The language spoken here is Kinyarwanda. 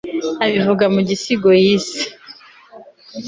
abivuga mu gisigo yise